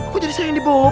kok jadi saya yang dibopong